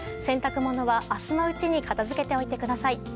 洗濯物は、あすのうちに片づけておいてください。